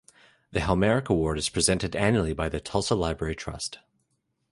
The Helmerich Award is presented annually by the Tulsa Library Trust.